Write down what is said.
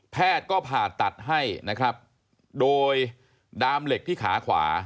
แพทย์ก็ผ่าตัดให้นะครับโดยดามเหล็กที่ขาขวา